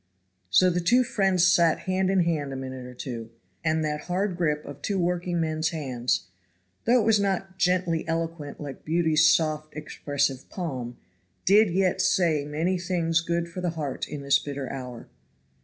So the two friends sat hand in hand a minute or two; and that hard grip of two workingmen's hands, though it was not gently eloquent like beauty's soft, expressive palm, did yet say many things good for the heart in this bitter hour.